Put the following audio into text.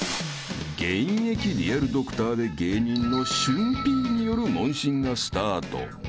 ［現役リアルドクターで芸人のしゅんＰによる問診がスタート］